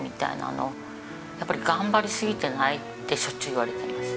やっぱり「頑張りすぎてない？」ってしょっちゅう言われています。